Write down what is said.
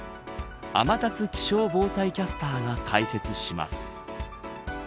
天達気象防災キャスターが解説します。